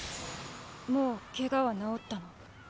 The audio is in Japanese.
もう怪我は治ったの？